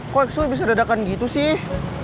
kok selalu bisa dadakan gitu sih